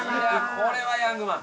これはヤングマン。